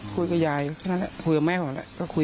คุยกับยายก็แล้วล่ะคุยกับแม่ก็ละ